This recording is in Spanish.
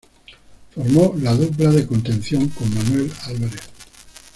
Formó la dupla de contención con Manuel Álvarez.